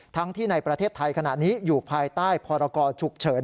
ทั้งที่ในประเทศไทยขณะนี้อยู่ภายใต้พรกรฉุกเฉิน